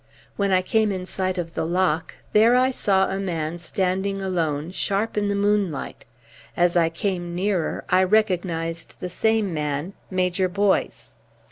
When I came in sight of the lock, there I saw a man standing alone, sharp in the moonlight. As I came nearer I recognised the same man, Major Boyce.